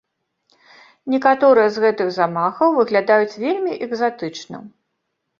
Некаторыя з гэтых замахаў выглядаюць вельмі экзатычна.